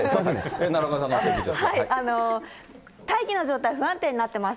大気の状態不安定になってます。